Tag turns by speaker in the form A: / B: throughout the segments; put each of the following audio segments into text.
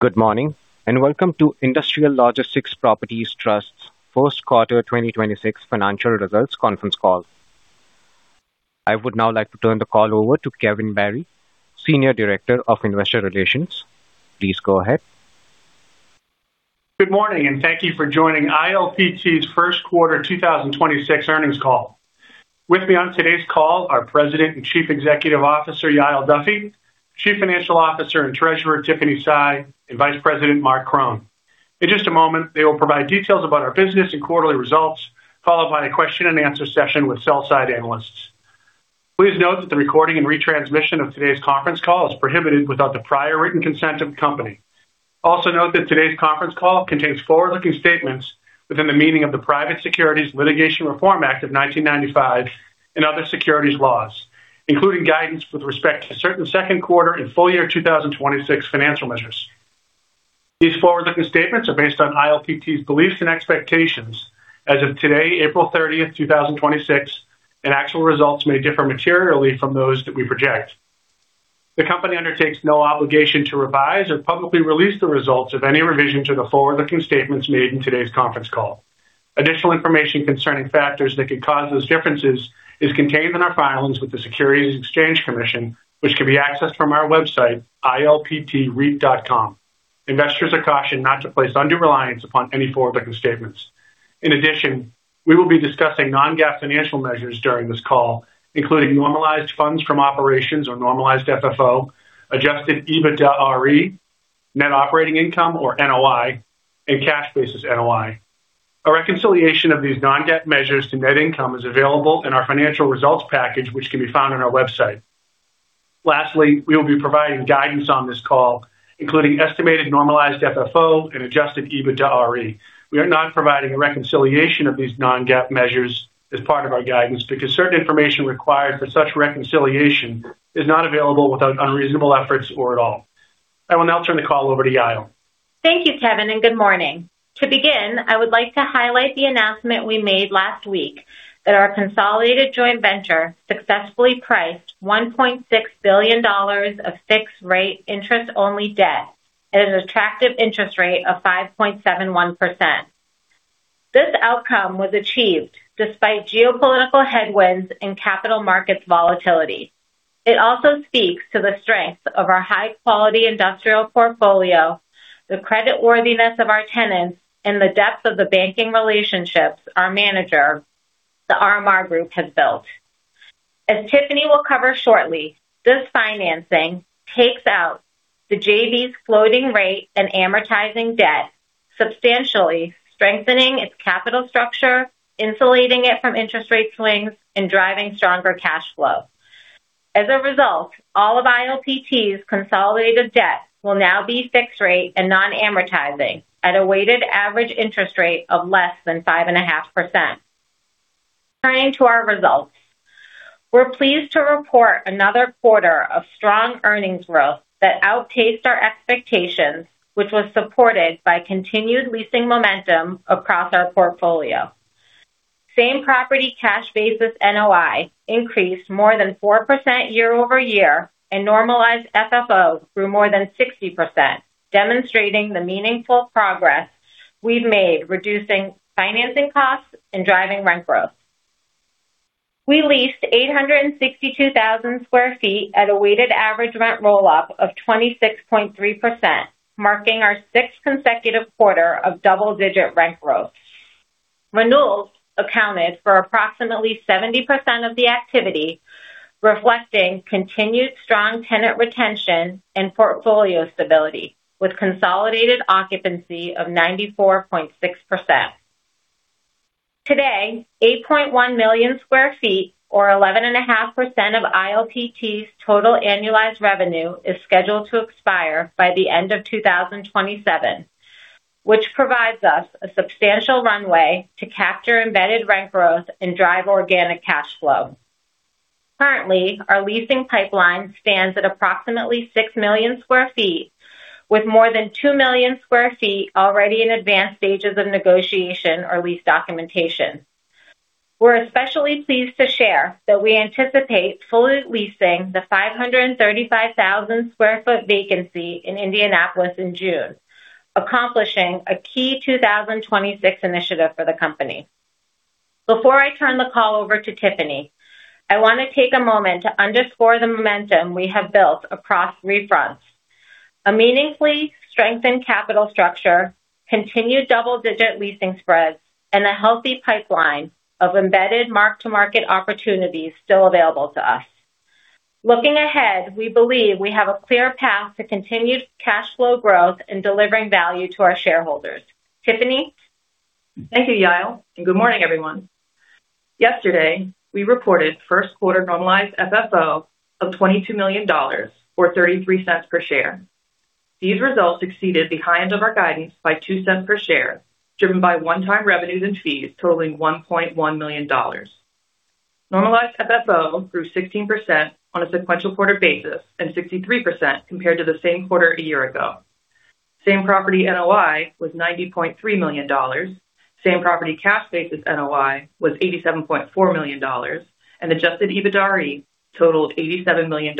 A: Good morning, welcome to Industrial Logistics Properties Trust's first quarter 2026 financial results conference call. I would now like to turn the call over to Kevin Barry, Senior Director of Investor Relations. Please go ahead.
B: Good morning, thank you for joining ILPT's first quarter 2026 earnings call. With me on today's call are President and Chief Executive Officer, Yael Duffy; Chief Financial Officer and Treasurer, Tiffany Sy; and Vice President, Marc Krohn. In just a moment, they will provide details about our business and quarterly results, followed by a question-and-answer session with sell side analysts. Please note that the recording and retransmission of today's conference call is prohibited without the prior written consent of the company. Note that today's conference call contains forward-looking statements within the meaning of the Private Securities Litigation Reform Act of 1995 and other securities laws, including guidance with respect to certain second quarter and full year 2026 financial measures. These forward-looking statements are based on ILPT's beliefs and expectations as of today, April 30, 2026, and actual results may differ materially from those that we project. The company undertakes no obligation to revise or publicly release the results of any revision to the forward-looking statements made in today's conference call. Additional information concerning factors that could cause those differences is contained in our filings with the Securities and Exchange Commission, which can be accessed from our website, ilptreit.com. Investors are cautioned not to place undue reliance upon any forward-looking statements. In addition, we will be discussing non-GAAP financial measures during this call, including normalized funds from operations or Normalized FFO, Adjusted EBITDAre, net operating income or NOI, and Cash Basis NOI. A reconciliation of these non-GAAP measures to net income is available in our financial results package, which can be found on our website. Lastly, we will be providing guidance on this call, including estimated Normalized FFO and Adjusted EBITDAre. We are not providing a reconciliation of these non-GAAP measures as part of our guidance because certain information required for such reconciliation is not available without unreasonable efforts or at all. I will now turn the call over to Yael.
C: Thank you, Kevin Barry, and good morning. To begin, I would like to highlight the announcement we made last week that our consolidated joint venture successfully priced $1.6 billion of fixed rate interest only debt at an attractive interest rate of five point seven one percent. This outcome was achieved despite geopolitical headwinds and capital markets volatility. It also speaks to the strength of our high quality industrial portfolio, the credit worthiness of our tenants, and the depth of the banking relationships our manager, The RMR Group, has built. As Tiffany Sy will cover shortly, this financing takes out the JV's floating rate and amortizing debt, substantially strengthening its capital structure, insulating it from interest rate swings, and driving stronger cash flow. As a result, all of ILPT's consolidated debt will now be fixed rate and non-amortizing at a weighted average interest rate of less than five and a half percent. Turning to our results. We're pleased to report another quarter of strong earnings growth that outpaced our expectations, which was supported by continued leasing momentum across our portfolio. Same Property Cash Basis NOI increased more than four percent year-over-year, and Normalized FFO grew more than 60%, demonstrating the meaningful progress we've made reducing financing costs and driving rent growth. We leased 862,000 sq ft at a weighted average rent roll up of 26.3%, marking our sixth consecutive quarter of double-digit rent growth. Renewals accounted for approximately 70% of the activity, reflecting continued strong tenant retention and portfolio stability with consolidated occupancy of 94.6%. Today, 8.1 million sq ft or 11.5% of ILPT's total annualized revenue is scheduled to expire by the end of 2027, which provides us a substantial runway to capture embedded rent growth and drive organic cash flow. Currently, our leasing pipeline stands at approximately 6 million sq ft, with more than 2 million sq ft already in advanced stages of negotiation or lease documentation. We're especially pleased to share that we anticipate fully leasing the 535,000 sq ft vacancy in Indianapolis in June, accomplishing a key 2026 initiative for the company. Before I turn the call over to Tiffany, I want to take a moment to underscore the momentum we have built across three fronts, a meaningfully strengthened capital structure, continued double-digit leasing spreads, and a healthy pipeline of embedded mark-to-market opportunities still available to us. Looking ahead, we believe we have a clear path to continued cash flow growth and delivering value to our shareholders. Tiffany?
D: Thank you, Yael, and good morning, everyone. Yesterday, we reported first quarter Normalized FFO of $22 million or $0.33 per share. These results exceeded the high end of our guidance by $0.02 per share, driven by one-time revenues and fees totaling $1.1 million. Normalized FFO grew 16% on a sequential quarter basis and 63% compared to the same quarter a year ago. Same Property NOI was $90.3 million. Same Property Cash Basis NOI was $87.4 million, and Adjusted EBITDAre totaled $87 million,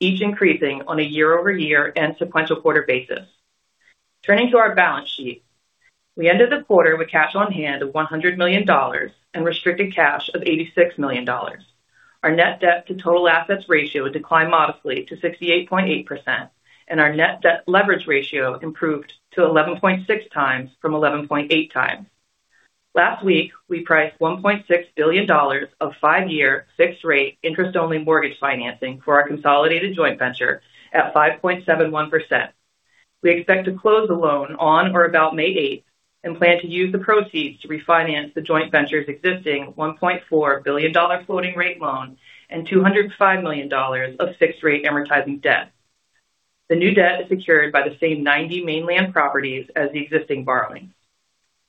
D: each increasing on a year-over-year and sequential quarter basis. Turning to our balance sheet. We ended the quarter with cash on hand of $100 million and restricted cash of $86 million. Our net debt to total assets ratio declined modestly to 68.8%, and our net debt leverage ratio improved to 11.6x from 11.8x. Last week, we priced $1.6 billion of five-year fixed rate interest-only mortgage financing for our consolidated joint venture at 5.71%. We expect to close the loan on or about May 8th and plan to use the proceeds to refinance the joint venture's existing $1.4 billion floating rate loan and $205 million of fixed rate amortizing debt. The new debt is secured by the same 90 mainland properties as the existing borrowing.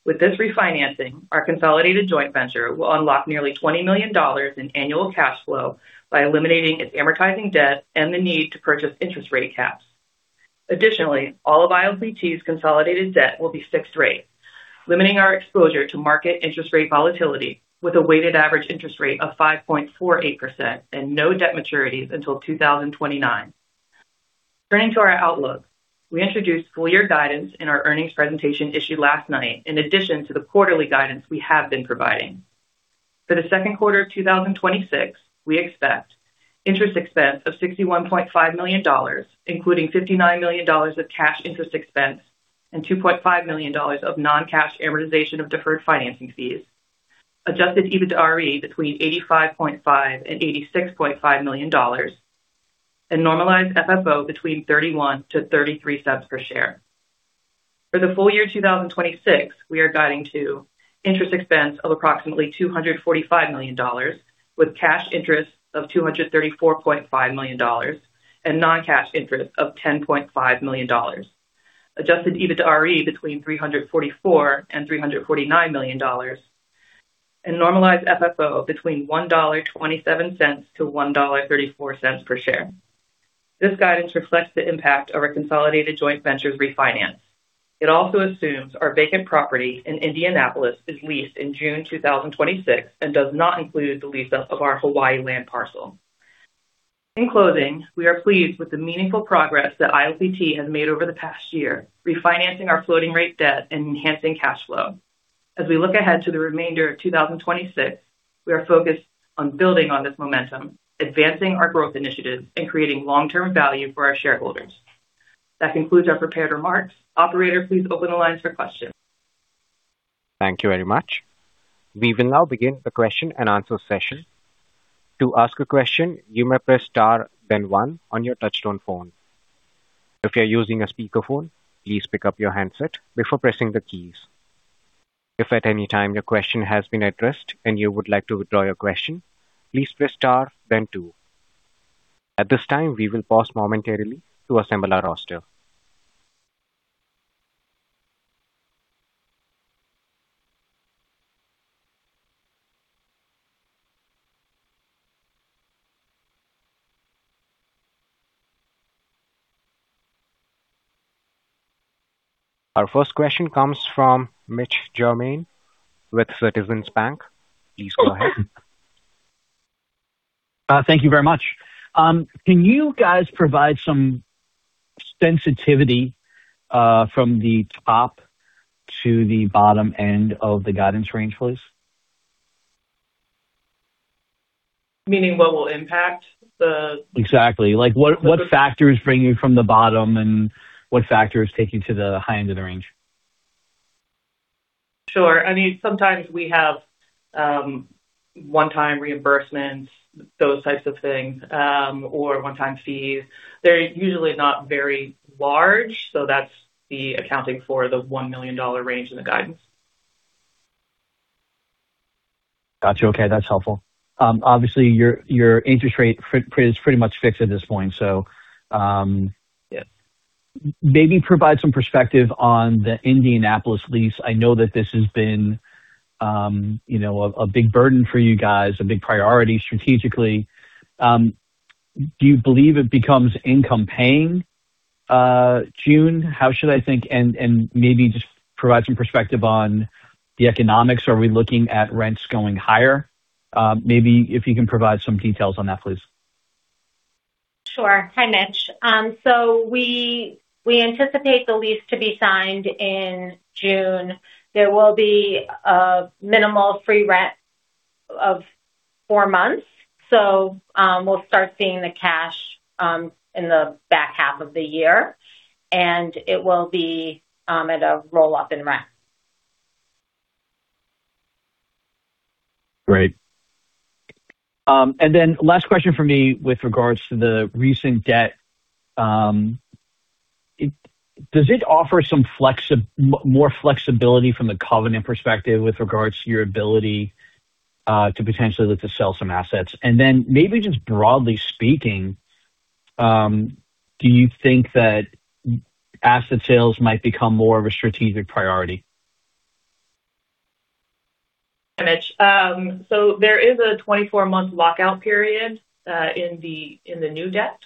D: With this refinancing, our consolidated joint venture will unlock nearly $20 million in annual cash flow by eliminating its amortizing debt and the need to purchase interest rate caps. Additionally, all of ILPT's consolidated debt will be fixed rate, limiting our exposure to market interest rate volatility with a weighted average interest rate of five point four eight percent and no debt maturities until 2029. Turning to our outlook. We introduced full year guidance in our earnings presentation issued last night in addition to the quarterly guidance we have been providing. For the second quarter of 2026, we expect interest expense of $61.5 million, including $59 million of cash interest expense and $2.5 million of non-cash amortization of deferred financing fees. Adjusted EBITDAre between $85.5 million and $86.5 million and Normalized FFO between $0.31 to $0.33 per share. For the full year 2026, we are guiding to interest expense of approximately $245 million, with cash interest of $234.5 million and non-cash interest of $10.5 million. Adjusted EBITDAre between $344 million and $349 million, and Normalized FFO between $1.27 to $1.34 per share. This guidance reflects the impact of our consolidated joint venture's refinance. It also assumes our vacant property in Indianapolis is leased in June 2026 and does not include the lease up of our Hawaii land parcel. In closing, we are pleased with the meaningful progress that ILPT has made over the past year, refinancing our floating rate debt and enhancing cash flow. As we look ahead to the remainder of 2026, we are focused on building on this momentum, advancing our growth initiatives, and creating long-term value for our shareholders. That concludes our prepared remarks. Operator, please open the lines for questions.
A: Thank you very much. We will now begin the question and answer session. To ask a question, you may press star then one on your touchtone phone. If you're using a speakerphone, please pick up your handset before pressing the keys. If at any time your question has been addressed and you would like to withdraw your question, please press star then two. At this time, we will pause momentarily to assemble our roster. Our first question comes from Mitch Germain with Citizens JMP. Please go ahead.
E: Thank you very much. Can you guys provide some sensitivity from the top to the bottom end of the guidance range, please?
D: Meaning what will impact the?
E: Exactly. Like what factor is bringing from the bottom and what factor is taking to the high end of the range?
D: Sure. I mean, sometimes we have one-time reimbursements, those types of things, or one-time fees. They're usually not very large, so that's the accounting for the $1 million range in the guidance.
E: Got you. Okay, that's helpful. Obviously, your interest rate is pretty much fixed at this point, so maybe provide some perspective on the Indianapolis lease. I know that this has been, you know, a big burden for you guys, a big priority strategically. Do you believe it becomes income paying June? How should I think? Maybe just provide some perspective on the economics. Are we looking at rents going higher? Maybe if you can provide some details on that, please.
C: Sure. Hi, Mitch. We anticipate the lease to be signed in June. There will be a minimal free rent of four months. We'll start seeing the cash in the back half of the year, and it will be at a roll-up in rent.
E: Great. Then last question from me with regards to the recent debt. Does it offer some more flexibility from the covenant perspective with regards to your ability to potentially look to sell some assets? Then maybe just broadly speaking, do you think that asset sales might become more of a strategic priority?
D: Mitch, so there is a 24-month lockout period, in the, in the new debt.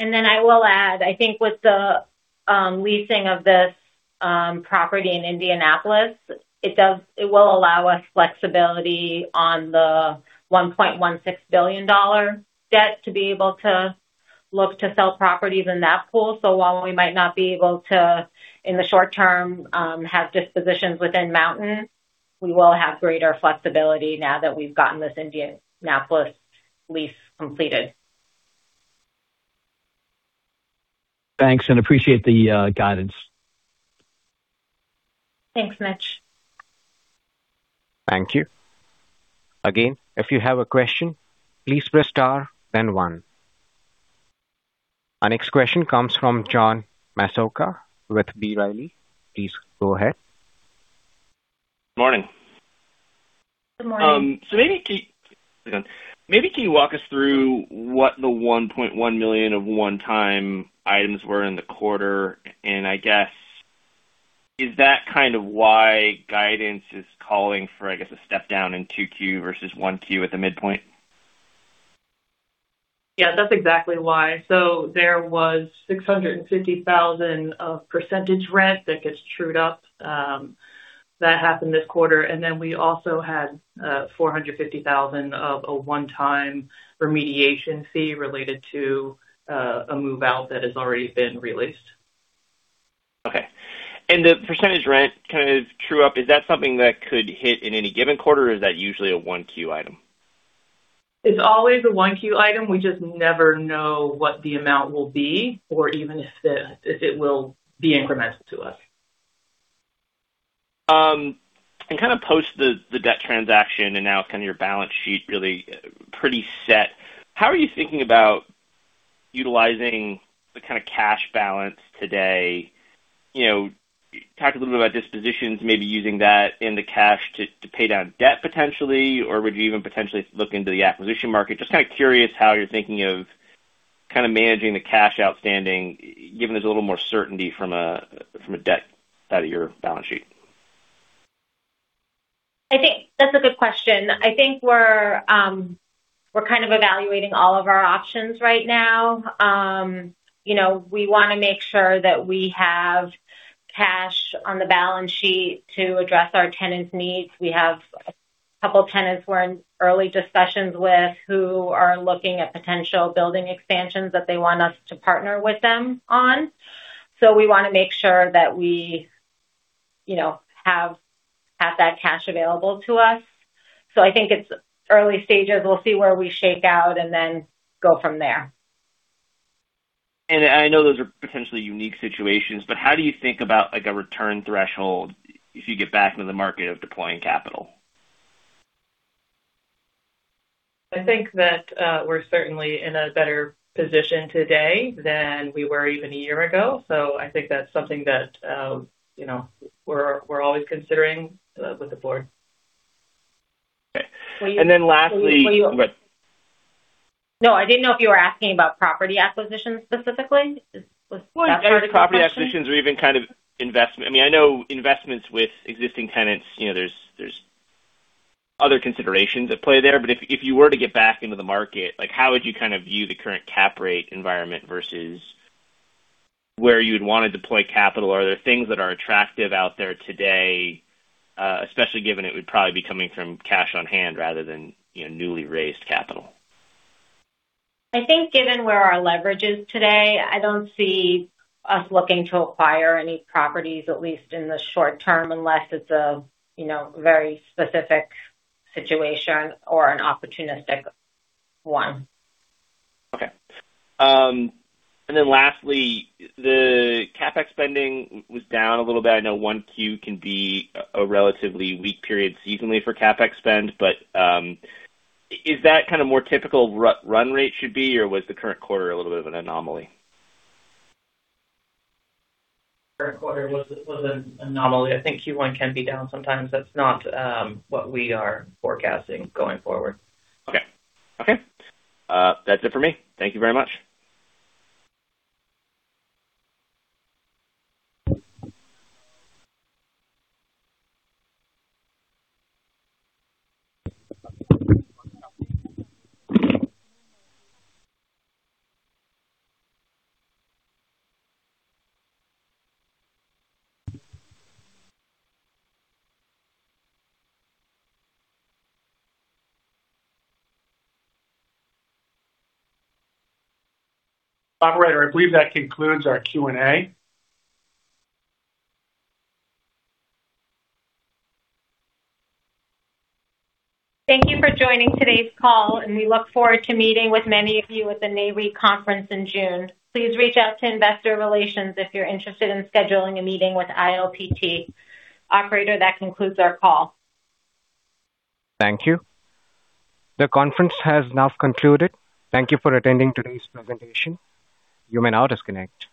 C: I will add, I think with the leasing of this property in Indianapolis, it will allow us flexibility on the $1.16 billion debt to be able to look to sell properties in that pool. While we might not be able to, in the short term, have dispositions within Mountain, we will have greater flexibility now that we've gotten this Indianapolis lease completed.
E: Thanks, and appreciate the guidance.
C: Thanks, Mitch.
A: Thank you. Again, if you have a question, please press star then one. Our next question comes from John Massocca with B. Riley. Please go ahead.
F: Morning.
C: Good morning.
F: Can you walk us through what the $1.1 million of one-time items were in the quarter? I guess, is that kind of why guidance is calling for, I guess, a step down in Q2 versus 1Q at the midpoint?
D: Yeah, that's exactly why. There was $650,000 of percentage rent that gets trued up that happened this quarter. We also had $450,000 of a one-time remediation fee related to a move-out that has already been released.
F: Okay. The percentage rent kind of true up, is that something that could hit in any given quarter, or is that usually a 1Q item?
D: It's always a 1Q item. We just never know what the amount will be or even if it, if it will be incremented to us.
F: kind of post the debt transaction and now kind of your balance sheet really pretty set, how are you thinking about utilizing the kind of cash balance today? You know, you talked a little bit about dispositions, maybe using that in the cash to pay down debt potentially, or would you even potentially look into the acquisition market? Just kind of curious how you're thinking of kind of managing the cash outstanding, given there's a little more certainty from a debt out of your balance sheet.
C: I think that's a good question. I think we're kind of evaluating all of our options right now. You know, we wanna make sure that we have cash on the balance sheet to address our tenants' needs. We have a couple tenants we're in early discussions with who are looking at potential building expansions that they want us to partner with them on. We want to make sure that we, you know, have that cash available to us. I think it's early stages. We'll see where we shake out and then go from there.
F: I know those are potentially unique situations, but how do you think about, like, a return threshold if you get back into the market of deploying capital?
D: I think that, we're certainly in a better position today than we were even a year ago. I think that's something that, you know, we're always considering, with the board.
F: Okay, and then lastly,
C: No, I didn't know if you were asking about property acquisitions specifically. Was that part of the question?
F: Well, either property acquisitions or even kind of investment. I mean, I know investments with existing tenants, you know, there's other considerations at play there. If you were to get back into the market, like how would you kind of view the current cap rate environment versus where you'd want to deploy capital? Are there things that are attractive out there today, especially given it would probably be coming from cash on hand rather than, you know, newly raised capital?
C: I think given where our leverage is today, I don't see us looking to acquire any properties, at least in the short term, unless it's a, you know, very specific situation or an opportunistic one.
F: Okay. Lastly, the CapEx spending was down a little bit. I know 1Q can be a relatively weak period seasonally for CapEx spend. Is that kind of more typical run rate should be, or was the current quarter a little bit of an anomaly?
D: Current quarter was an anomaly. I think Q1 can be down sometimes. That's not what we are forecasting going forward.
F: Okay. Okay. That's it for me. Thank you very much.
B: Operator, I believe that concludes our Q&A.
C: Thank you for joining today's call, and we look forward to meeting with many of you at the Nareit conference in June. Please reach out to investor relations if you're interested in scheduling a meeting with ILPT. Operator, that concludes our call.
A: Thank you. The conference has now concluded. Thank you for attending today's presentation. You may now disconnect.